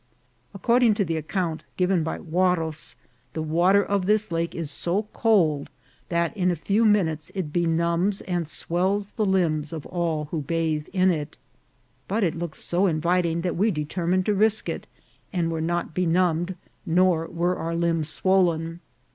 According to the account given by Huarros, the water of this lake is so cold that in a few minutes it benumbs and SAvells the limbs of all who bathe in it. But it looked so inviting that we determined to risk it, and were not benumbed, nor were our limbs swollen.